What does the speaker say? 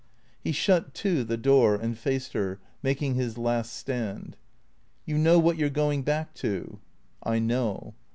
He shut to the door and faced her, making his last stand. " You know what you 're going back to." " I know."